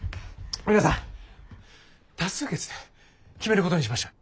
皆さん多数決で決めることにしましょう。